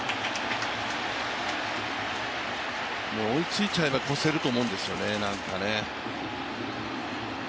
追いついちゃえば超せると思うんですよね、なんかね。